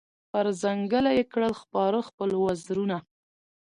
پر ځنګله یې کړل خپاره خپل وزرونه